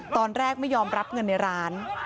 ตอนแรกไม่ยอมรับเงินในร้าน